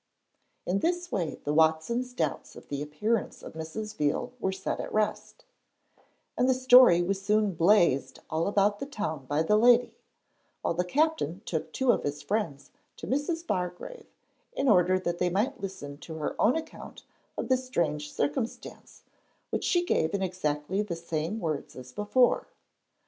In this way the Watsons' doubts of the appearance of Mrs. Veal were set at rest, and the story was soon 'blazed' all about the town by the lady, while the Captain took two of his friends to Mrs. Bargrave in order that they might listen to her own account of the strange circumstance, which she gave in exactly the same words as before.